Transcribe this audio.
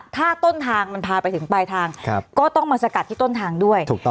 ถ้าต้นทางมันพาไปถึงปลายทางก็ต้องมาสกัดที่ต้นทางด้วยถูกต้อง